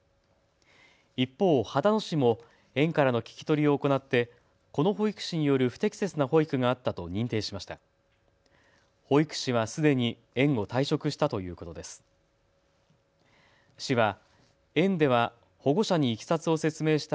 一方、秦野市も園からの聞き取りを行ってこの保育士による不適切な保育があったと認定しました。